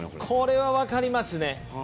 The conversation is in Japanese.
これは分かりますね。